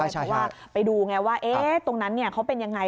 เพราะว่าไปดูไงว่าตรงนั้นเขาเป็นยังไง